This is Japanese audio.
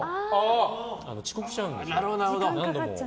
遅刻しちゃうんですよ。